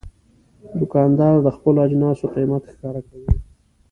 دوکاندار د خپلو اجناسو قیمت ښکاره کوي.